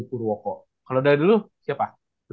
purwoko kalau dari dulu siapa